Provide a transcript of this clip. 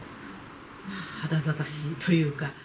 腹立たしいというか。